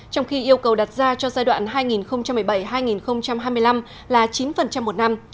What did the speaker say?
trong khi yêu cầu đặt ra cho giai đoạn hai nghìn một mươi bảy hai nghìn hai mươi năm là chín một năm